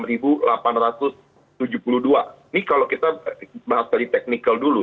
ini kalau kita bahas tadi technical dulu